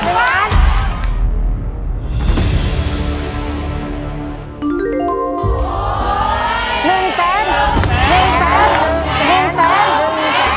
๑ล้าน